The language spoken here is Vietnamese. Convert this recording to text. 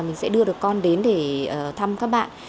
mình sẽ đưa được con đến để thăm các bạn